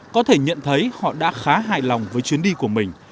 có thể nhận thấy họ đã khá hài lòng với chuyến đi của mình